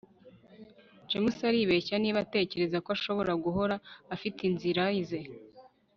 james aribeshya niba atekereza ko ashobora guhora afite inzira ze